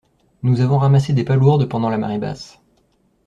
Nous avons ramassé des palourdes pendant la marée basse.